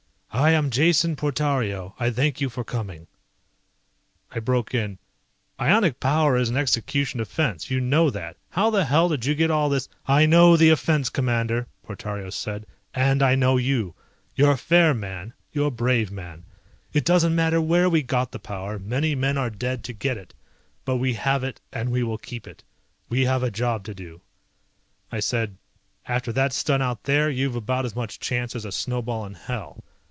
"I am Jason Portario, I thank you for coming." I broke in, "Ionic power is an execution offense. You know that. How the hell did you get all this ..." "I know the offense, Commander," Portario said, "and I know you. You're a fair man. You're a brave man. It doesn't matter where we got the power, many men are dead to get it, but we have it, and we will keep it. We have a job to do." I said, "After that stunt out there you've about as much chance as a snowball in hell.